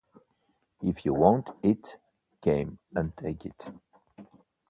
If you want it, come and take it.